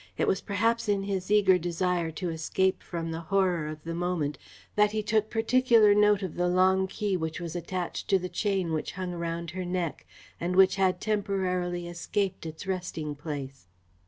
It was perhaps in his eager desire to escape from the horror of the moment that he took particular note of the long key which was attached to the chain which hung around her neck, and which had temporarily escaped its resting place.